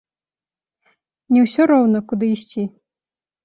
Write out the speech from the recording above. Не ўсё роўна куды ісці?